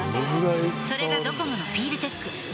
それがドコモのフィールテック。